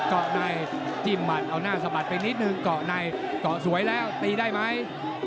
เกาะในจิ้มหมัดเอาหน้าสะบัดไปนิดนึงเกาะในเกาะสวยแล้วตีได้ไหม